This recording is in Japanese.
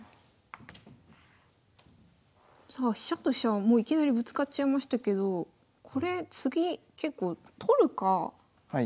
さあ飛車と飛車はもういきなりぶつかっちゃいましたけどこれ次結構取るかどうかって感じですか？